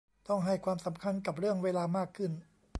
ต้องให้ความสำคัญกับเรื่องเวลามากขึ้น